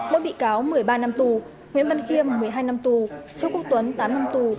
mỗi bị cáo một mươi ba năm tù nguyễn văn khiêm một mươi hai năm tù châu quốc tuấn tám năm tù